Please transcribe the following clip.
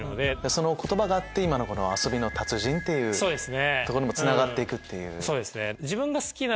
その言葉があって今のこの遊びの達人っていうとこにもつながって行くっていう。